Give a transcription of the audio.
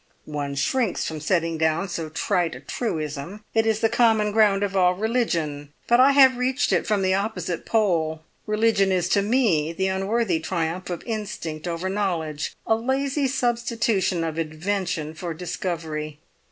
One shrinks from setting down so trite a truism; it is the common ground of all religion, but I have reached it from the opposite pole. Religion is to me the unworthy triumph of instinct over knowledge, a lazy substitution of invention for discovery.